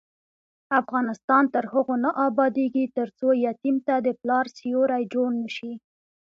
افغانستان تر هغو نه ابادیږي، ترڅو یتیم ته د پلار سیوری جوړ نشي.